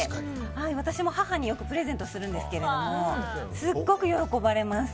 私も母によくプレゼントするんですけどすごく喜ばれます。